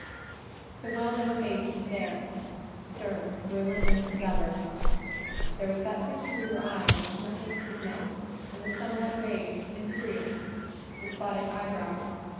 The well known face was there: stern, relentless as ever—there was that peculiar eye which nothing could melt, and the somewhat raised, imperious, despotic eyebrow.